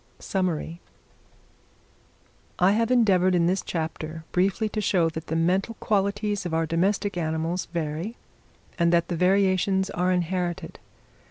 Summary. I have endeavoured in this chapter briefly to show that the mental qualities of our domestic animals vary, and that the variations are inherited.